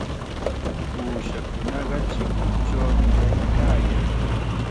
Uushakunaqa chikunchawmi kaykaayan.